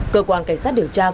cơ quan cảnh sát điều tra công an